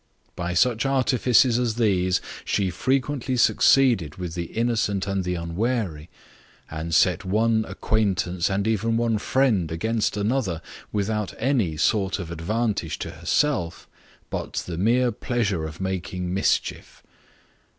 By such artifices as these she frequently succeeded with the innocent and the unwary, and set one acquaintance and even one friend against another, without any sort of advantage to herself but the mere pleasure of making mischief.